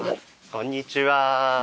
こんにちは。